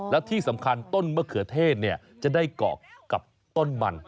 และที่สำคัญต้นมะเขือเทศจะได้เกาะกับต้นมัน